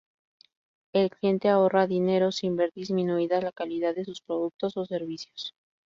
El cliente ahorra dinero sin ver disminuida la calidad de sus productos o servicios.